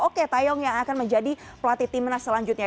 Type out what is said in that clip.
oke tayong yang akan menjadi pelatih timnas selanjutnya